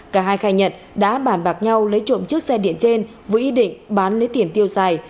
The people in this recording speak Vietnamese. cả hai khai nhận đã bàn bạc nhau lấy trộm chiếc xe điện trên với ý định bán lấy tiền tiêu xài